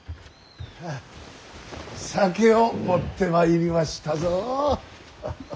酒を持ってまいりましたぞ。